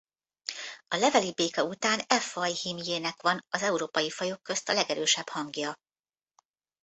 A levelibéka után e faj hímjének van az európai fajok közt a legerősebb hangja.